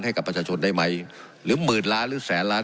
ให้กับประชาชนได้ไหมหรือหมื่นล้านหรือแสนล้าน